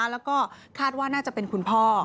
แล้วก็คาดว่าน่าจะเป็นคุณพ่อ